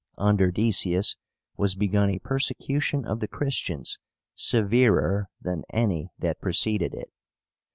Under Decius was begun a persecution of the Christians severer than any that preceded it.